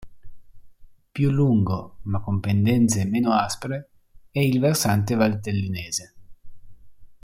Più lungo, ma con pendenze meno aspre, è il versante valtellinese.